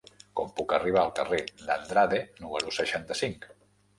Com puc arribar al carrer d'Andrade número seixanta-cinc?